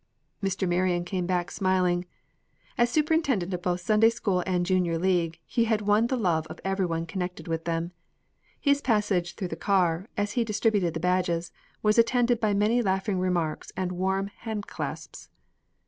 Mr. Marion came back smiling. As superintendent of both Sunday school and Junior League, he had won the love of every one connected with them. His passage through the car, as he distributed the badges, was attended by many laughing remarks and warm handclasps.